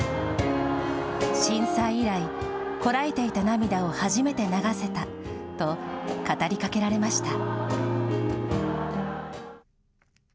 震災以来、こらえていた涙を初めて流せたと語りかけられました。